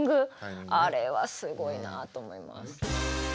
あれはすごいなと思います。